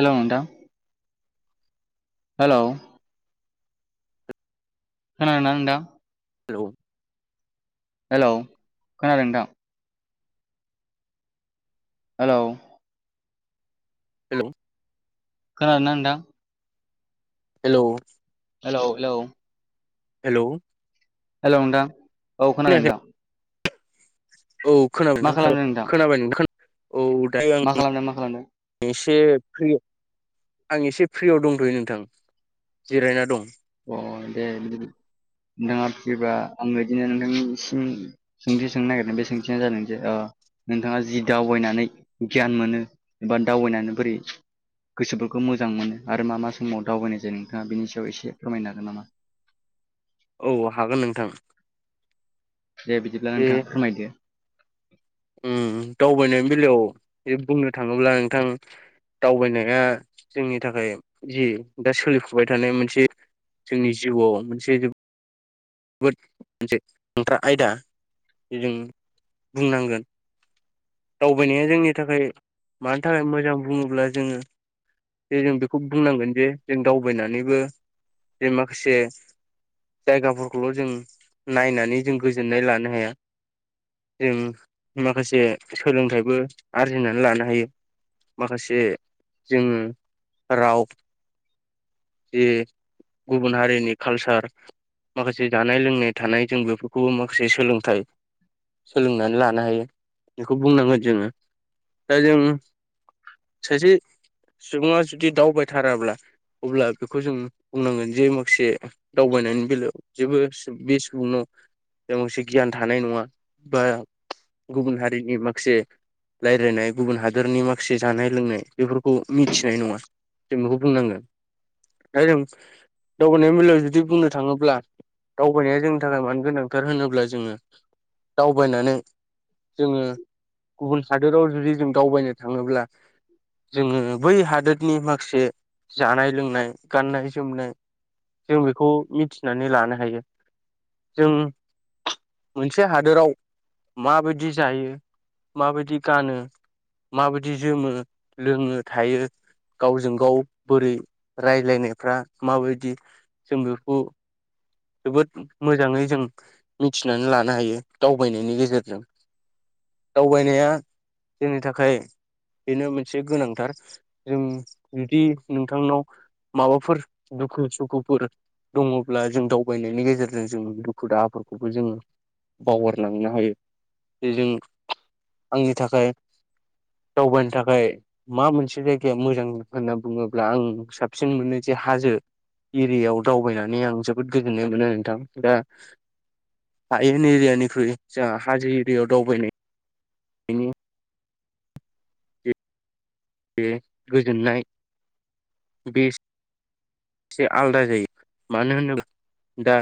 हेल' नोंथां? हेल' खोनादोंना नोंथां? हेल' हेल' खोनादों नोंथां? हेल' हेल' खोनादोंना नोंथां? हेल'? हेल' हेल' हेल'? हेल' नोंथां औ खोनादों खोनायाखै नोंथां। औ खोनाबाय मा नोंथां खोनाबाय खालामदों खोनाबाय नोंथां खोना औ दायो मा आं खालामदों मा खालामदों एसे फ्रि आं एसे फ्रियाव दंथ'यो नोंथां। जिरायना दं। अ' दे [unintelligible] नोंथाङा फ्रिबा आं इदिनो नोंथांनिसिम सोंथि सोंनो नागिरदों बे सोंथियानो जादों जे ओ नोंथाङा जि दावबायनानै गियान मोनो एबा दावबायनानै बोरै गोसोफोरखौ मोजां मोनो आरो मा मा समाव दावबायनाय जायो नोंथाङा बेनि सायाव एसे फोरमायनो हागोन नामा? औ हागोन नोंथां। दे बिदिब्ला बे नोंथाङा फोरमायदो। उम उम दावबायनायनि बेलायाव ए बुंनो थाङोब्ला नोंथां दावबायनाया जोंनि थाखाय जि दा सोलिफुबाय थानाय मोनसे जोंनि जिउआव मोनसे जोबोद मोनसे खेंख्रा आयदा बे जों बुंनांगोन। दावबायनाया जोंनि थाखाय मानि थाखाय मोजां बुङोब्ला जोङो जे जों बेखौ बुंनांगोन जे जों दावबायनानैबो जे माखासे जायगाफोरखौल' जों नायनानै जों गोजोननाय लानो हाया। जों माखासे सोलोंथाइबो आरजिनानै लानो हायो। माखासे जोङो राव जे गुबुन हारिनि कालसार माखासे जानाय लोंनाय थानाय जों बेफोरखौबो माखासे सोलोंथाइ सोलोंनानै लानो हायो बेखौ बुंनांगोन जोङो। दा जों सासे सुबुङा जुदि दावबायथाराब्ला अब्ला बेखौ जों बुंनांगोन जे माखासे दावबायनायनि बेलायाव जेबो सुब बे सुबुंनाव जामुसे गियान थानाय नङा बा गुबुन हारिनि माखासे लायरायनाय गुबुन हादोरनि माखासे जानाय लोंनाय बेफोरखौ मिथिनाय नङा। जों बेखौ बुंनांगोन। दा जों दावबानायनि बेलायाव जुदि बुंनो थाङोब्ला दावबायनाया जोंनि थाखाय मानो गोनांथार होनोब्ला जोङो दावबायनानै जोङो गुबुन हादोराव जुदि जों दावबायनो थाङोब्ला जोङो बै हादोरनि माखासे जानाय लोंनाय गाननाय जोमनाय जों बेखौ मिथिनानै लानो हायो। जों मोनसे हादोराव माबायदि जायो माबायदि गानो, माबायदि जोमो, लोङो थायो गावजों गाव बोरै रायलायनायफ्रा माबायदि जों बेखौ जोबोद मोजांङै जों मिथिनानै लानो हायो दावबायनायनि गेजेरजों। दावबायनाया जोंनि थाखाय बेनो मोनसे गोनांथार। जों जुदि नोंथांनाव माबाफोर दुखु सुखुफोर दङब्ला जों दावबायनायनि गेजेरजों जों दुखु दाहाफोरखौबो जों बावगारलांनो हायो बे जों आंनि थाखाय दावबायनो थाखाय मा मोनसे जायगाया मोजां होनना बुङोब्ला आं साबसिन मोनो जे हाजो एरियायाव दावबायनानै आं जोबोद गोजोननाय मोनो आरो नोंथां दा हायेन एरियानिख्रुइ जोंहा हाजो एरियाायाव दावबायनाय बेनि बे गोजोननाय बेस एसे आलादा जायो मानो होनोब्ला दा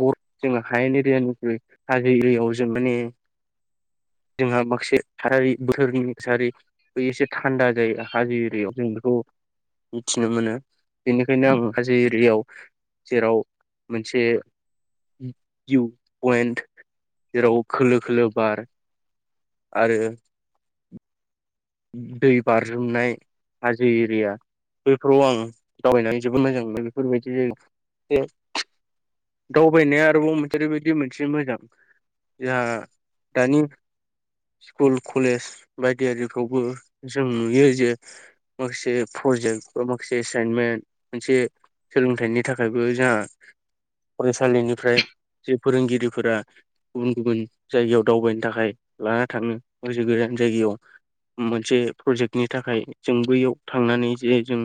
गर जोंहा हायेन एरियानिफ्राय्रु हाजो एरियाायाव जों माने जोंहा माखासे थारारि बोथोरनि सार ब एसे थान्दा जाय हाजो एरिायाव जों बेखौ मिथिनो मोनो बेनिखायनो आं हाजो एरियायाव जेराव मोनसे भिउ पइन्ट जेराव खोलो खोलो बार आरो दै बारज्रुमनाय हाजो एरिया बैफोराव आं दावबायनानै जोबोद मोजां मोनो बेफोरबायदि जायगा दावबायनाया आरोबाव मोनसे ओरैबायदि मोनसे मोजां जोंहा दानि स्कुल कलेज बायदियारि खौबो जों नुयो जे माखासे प्रजेक्ट बा माखासे एसाइनमेन्ट मोनसे सोलोंथाइनि थाखायबो जोंहा फरायसालिनिफ्राय जे फोरोंगिरिफोरा गुबुन गुबुन जायगायाव दावबायनो थाखाय लाना थांङो माखासे गोजान जायगायाव मोनसे प्रजेक्टनि थाखाय जों बैयाव थांनानै जे जों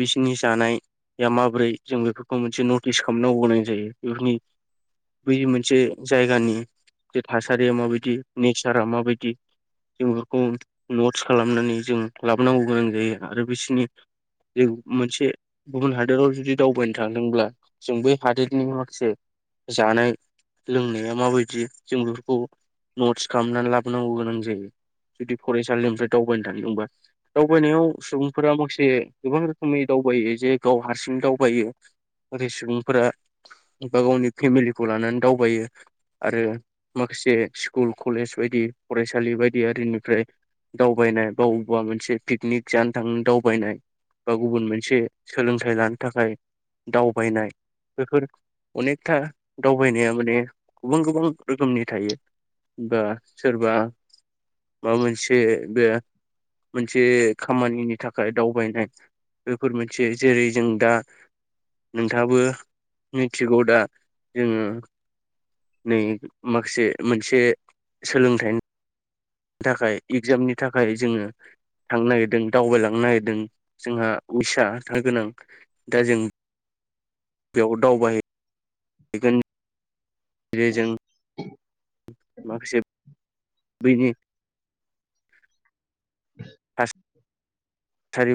बिसोरनि जानाय मा माबोरै जों बेफोरखौ मोनसे नटिस खालामनांगौ गोनां जायो बेफोरनि बै मोनसे जायगानि जे थासारिया माबायदि नेचारा माबायदि जों बेफोरखौ नट्स खालामनानै जों लाबोनांगौ गोनां जायो आरो बिसिनि मोनसे गुबुन हादोराव जुदि दावबायनो थांदोंब्ला जों बै हादोरनि माखासे जानाय लोंनाया माबायदि जों बेफोरखौ नटस खालामनानै लाबोनांगौ गोनां जायो। जुदि फरायसालिनिफ्राय दावबायनो थांदोंबा दावबायनायाव सुबुंफोरा माखासे गोबां रोखोमै दावबायो जे गाव हारसिं दावबायो ओरै सुबुंफोरा बा गावनि फेमिलिखौ लानानै दावबायो। आरो माखासे स्कुल कलेज बायदि फरायसालि बायदि आरिनिफ्राय दावबायनाय बा अबेबा मोनसे पिकनिक जानो थांनो दावबायनाय बा गुबुन मोनसे सोलोंथाइ लानो थाखाय दावबायनाय बेफोर अनेकथा दावबायनाया माने गुबुन गुबुन रोखोमनि थायो। बा सोरबा माबा मोनसे बे मोनसे खामानिनि थाखाय दावबायनाय बेफोर मोनसे जेरै जों दा नोंथांङाबो मिथिगौ दा जोंङो नै माखासे मोनसे सोलोंथाइनि थाखाय एगजामनि थाखाय जोंङो थांनो नागिरदों दावबायलांनो नागिरदों जोंहा उसा थानो गोनां दा जों बेयाव दावबाय [unintelligible] जेरै जों [inaudible] माखासे बैनि आस सारि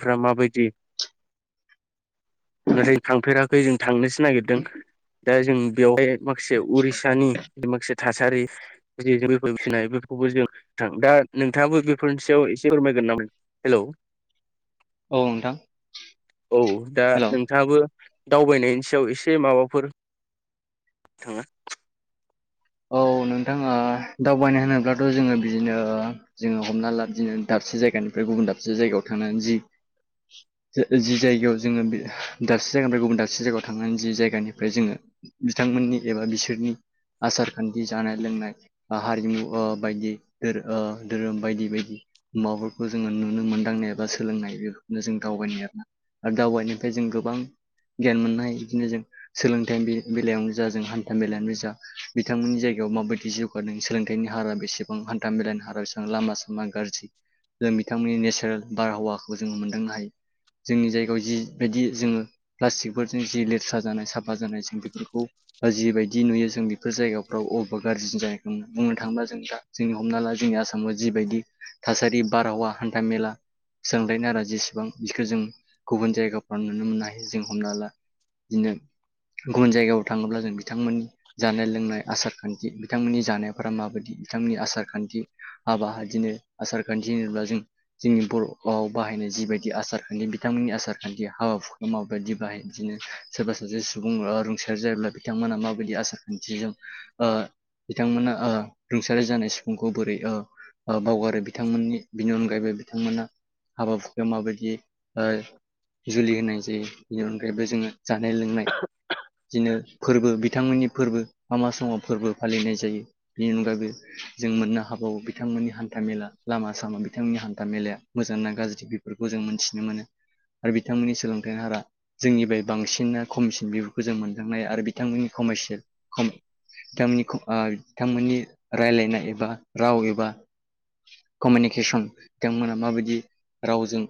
फ्रा माबायदि नाथाय थांफेराखै जों थांनोसो नागिरदों दा जों बेवहाय माखासे उरिसानि माखासे थासारि जे जोंफोर फिनो हायो बेफोरखौबो जों थां दा नोंथांङाबो बेफोरनि सायाव एसे फोरमायगोन नामा? हेलौ औ नोंथां औ दा हेलौ थांङाबो दावबायनायनि सायाव एसे माबाफोर थाङा औ नोंथांङा ओ दावबायनो होनोब्लाथ' जोंङो बिदिनो जोंङो हमना ला दिनो दाबसे जायगानिफ्राय गुबुन दाबसे जायगायाव थांनानै जि जि जायगायाव जोंङो बे दाबसे जायगानिफ्राय गुबुन दाबसे जायगायाव थांनानै जि जायगानिफ्राय जोंङो बिथांमोननि एबा बिसोरनि आसार खान्थि जानाय लोंनाय ओ हारिमु ओ बायदि धो ओ धोरोम बायदि बायदि माबाफोरखौ जोङो नुनो मोनदांनाय एबा सोलोंनाय बेनो जों दावबायनाय आरोना। आरो दावबायनोफ्राय जों गोबां गियान मोननो हायो बिदिनो जों सोलोंथाइ बेलायावनो जा जों हान्था बेलायावनो जा बिथांमोननि जायगायाव माबायदि जौगादों सोलोंथाइनि हारा बेसेबां हान्था मेलानि हारा बेसेबां लामा सामा गाज्रि जों बिथांमोननि नेचारेल बारहावाखौ जोङो मोनदांनो हायो‌ जोंनि जायगायाव जिबायदि जोङो प्लास्टिकफोरजों जि लेथ्रा जानाय साफा जानाय जों बेफोरखौ जिबायायदि नुयो जों बेफोर जायगाफ्राव अबेबा गाज्रि जायाखोममोन बुंनो थाङोबा जों दा जोंनि हमना ला जोंनि आसामाव जिबायदि थासारि बारहावा हान्था मेला सोलोंथाइनि हारा जेसेबां बिखौ जों गुबुन जायगाफ्राव नुनो मोननो हायो जों हमना ला बिदिनो गुबुन जायगायाव थाङोब्ला जों बिथांमोननि जानाय लोंनाय आसार खान्थि बिथांमोननि जानायफोरा माबायदि बिथांमोननि आसार खान्थि हाबा बिदिनो आसार खान्थि होनोब्ला जों जोंनि बर'आव बाव बाहायनाय जिबायदि आसार खान्थि बिथांमोननि आसार खान्थि हाबाफोरखौ माबायदि बाहाय बिदिनो सोरबा सासे सुबुं ओ रुंसारि जायोब्ला बिथांमोना माबायदि आसार थिजों ओ बिथांमोना ओ रुंसारि जानाय सुबुंखौ बोरै ओ ओ बावगारो बिथांमोननि बिनि अनगायैबो बिथांमोना हाबा हुखायाव माबायदि ओ जुलि होनाय जायो बेनि अनगायैबो जोङो जानाय लोंनाय बिदिनो फोरबो बिथांमोननि फोरबो मा मा समाव फोरबो फालिनाय जायो बेनि अनगायैबो जों मोननो हाबावो बिथांमोननि हान्था मेला लामा सामा बिथांमोननि हान्था मेलाया मोजां ना गाज्रि बेफोरखौ जों मोनथिनो मोनो आरो बिथांमोननि सोलोंथाइनि हारा जोंनिफ्राय बांसिना खमसिन बिब'फोरखौ जों मोनदांनाय आरो बिथांमोननि कमारसियेल खम बिथांमोननि ख ओ बिथांमोननि रायलायनाय एबा राव एबा कमिउनिकेसन बिथांमोना माबायदि रावजों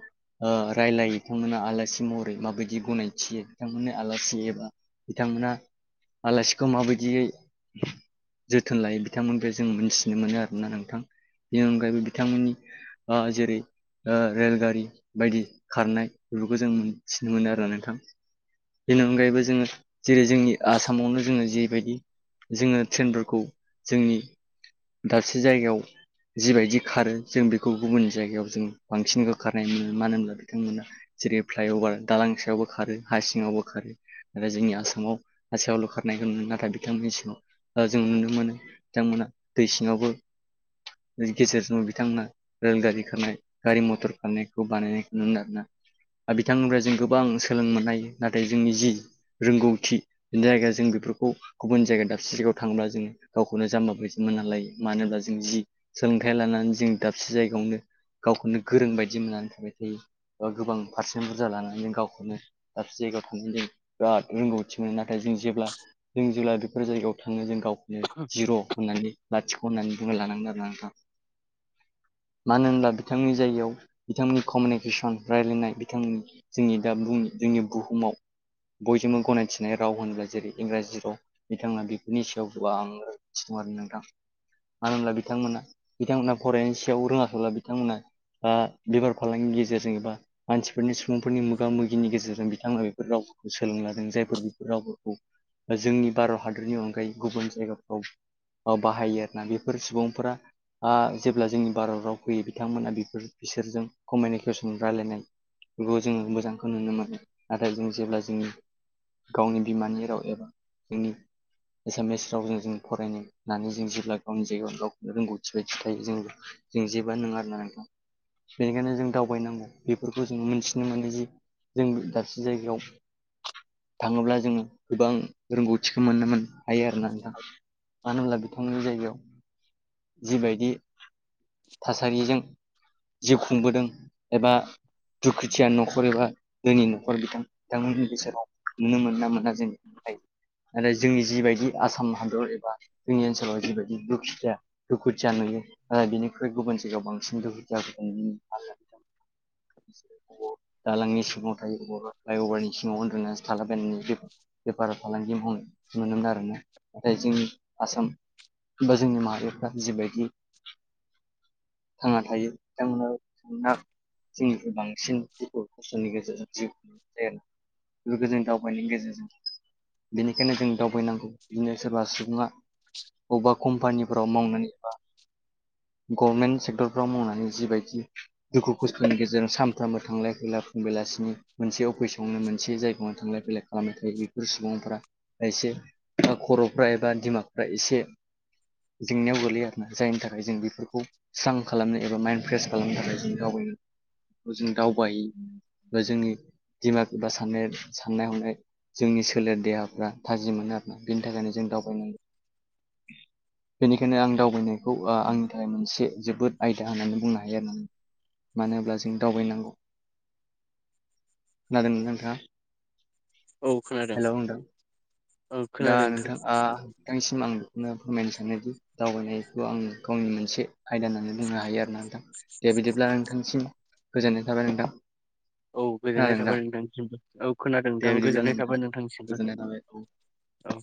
ओ रायलायो बिथांमोना आलासि महरै माबायदि गनायथियो बिथांमोननो आलासि एबा बिथांमोना आलासि खौ माबायदियै जोथोन लायो बिथांमोन बे जों मिथिनो मोनो आरोना नोंथां। बेनि अनगायैबो बिथांमोननि ओ जेरै ओ रेलगारि बायदि खारनाय बेफोरखौ जोंथिनो मोनो आरोना नोंथां। बेनि अनगायैबो जोङो जेरै जोंनि आसामावनो जोङो जेरैबायदि जोङो ट्रेनफोरखौ जोंनि दाबसे जायगायाव जिबायदि खारो जों बेखौ गुबुन जायगायाव जों बांसिनखौ खारनाय मोनो मानो होनब्ला बिथांमोना जेरै फ्लाइअभार दालां सायावबो खारो हा सिङावबो खारो। आरो जोंनि आसामाव हा सायावल' खारनाय नाथाय बिथांमोननि सिङाव जों नुनो मोनो बिथांमोना दै सिङावबो गेजेरजों बिथांमोना रेलगारि खारनाय गारि मथर खारनायखौ बानायनायखौ नुनो आरोना। बिथांमोनफ्राय जों गोबां सोलोंनो मोननाय नाथाय जोंनि जि रोंगौथि जायगाया जों बेफोर गुबुन जायगा गुबुन दाबसे जायगायाव थाङोला जोङो गावखौनो जाम्बा बादि मोनना लायो मानो होनब्ला जों जि सोलोंथाइ लानानै जों दाबसे जायगायावनो गावखौनो गोरों बायदि मोननानै थाबाय थायो। गोबां पारसेन्ट बुरजा लानानै जों गावखौनो दाबसे जायगायाव [unintelligible] बिराद रोंगौथि मोनो नाथाय जों जेब्ला जों जेला बेफोर जायगायाव थाङो जों गाव नो जिर' होननानै लाथिख' होननानै बुंना लानांगोन आरोा नोंथां। मानो होनब्ला बिथांमोननि जायगायाव बिथांमोननि कमिउनिकेसन रायलायनाय बिथांमोननि जोंनि दा बुहुमनि जोंनि बुहुमाव बयजोंबो गनायथिनाय राव होनब्ला जेरै इंराजि राव बिथाङा बेफोरनि सायाव गोबां [unintelligible] नोंथां। मानो होनब्ला बिथांमोना बिथांमोनहा फरायनायनि सायाव रोङाखैब्ला बिथांमोना ओ बेफार फालांगि गेजेरजों बा मानसिफोरनि सुबुंफोरनि मोगा मोगिनि गेजेरजों बिथांमोना बेफोर रावफोरखौ सोलोंना लादों जायफोर बेफोर रावफोरखौ जोंनि भारत हादरनि अनगायै गुबुन जायगाफ्राव बाहायो आरो ना बेफोर सुबुंफोरा ओ जेब्ला जोंनि भारत राव फैयो बिथांमोना बेफोर बिसोरजों कमिउनिकेसन रायलायनाय खौ जोङो मोजांखौ नुनो मोनो नाथाय जों जेब्ला जोंनि गावनि बिमानि राव एबा जोंनि एसामिस रावजों जों फरायनो होननानै जों जेब्ला गावनि जायगायाव गावखौनो रोंगौथि बायदि थायो जों जों जेबोआनो नोङा आरोना नोंथां बेनिखायनो जों दावबायनांगौ बेफोरखौ जों मोनथिनो मोनो जे जों दाबसे जायगायाव थाङोब्ला जोङो गोबां रोंगौथिखौ मोननो मोन हायो आरो ना नोंथां मानो होनब्ला बिथांमोननि जायगायाव जिबायदि थासारिजों जिउ खुंबोदों एबा दुखुथिया न'खर एबा दोनि न'खर बिथां बिथांमोननि बोसोराव नुनो मोना ना मोना? आरो जोंनि जिबायदि आसाम हादर एबा जोंनि ओनसोलाव जिबायदि दुखुथिया दुखुथिया नुयो आरो बेनिख्रुइ गुबुन जायगायाव बांसिन दुखुथिया दालांनि सिङाव थायो अबावबा फ्लाइअभारनि सिङाव उन्दुना थालाबायनाय नुयो बेफार फालांगि मावनाय नुनो मोना आरोना नाथाय जोंनि आसाम ओमबा जोंनि माहारिफोरा जिबायदि थांना थायो बिथांमोना जोंनिफ्राय बांसिन दुखु सुखुनि गेजेरजों जिउ खुंनाय जायो। लोगोजों दावबायनायनि गेजेरजों बेनिखायनो जों दावबायनांगौ बिदिनो सोरबा सुबुङा अबेबा कम्पानिफोराव मावनो जेनेबा गभमेन्ट सेक्टरफ्राव मावनानै जिबायदि दुखु खस्थ'नि गेजेरजों सानफ्रामबो थांलाय फैलाय फुं बेलासिनि मोनसेयाव फैसावनो मोनसे जायगायावनो थांलाय फैलाय खालामबाय थायो। सुबुंफ्रा एसे खर'फ्रा एबा दिमाकफ्रा एसे जेंनायाव गो लैयो आरोना जायनि थाखाय जों बेफोरखौ स्रां खालामनो एबा माइन्द फ्रेस खालामनो थाखाय जों दावबायनो जों दावबाय बा जोंनि दिमााग एबा साननाय साननाय हनाय जोंनि सोलेर देहाफ्रा थाजि मोनो आरोोना बेनि थाखायनो जों दावबायनांगौ। बेनिखायनो आं दावबायनायखौ ओ आं मोनसे जोबोद आयदा होननानै बुंनो हायो आरोना नों मानो होनब्ला जों दावबायनांगौ खोनादोंमोन नोंथाङा। औ खोनादों। हेलौ नोंथां औ दा खोनादों नोंथां आ नोंथांनिसिम आं बेखौनो फोरमायनो सानोदि दावबायनायखौ आं गावनि मोनसे आयदा होननानै बुंनो हायो आरो नोंथां। दे बिदिब्ला नोंथांसिम गोजोननाय थाबाय नोंथां। औ गोजोननाय खोनादों नोंथां थाबाय नोंथांसिमबो औ खोनादों दे नोंथां बिदिब्ला गोजोननाय नोंथां थाबाय गोजोननाय थाबाय औ नोंथांनिसिमबो। औ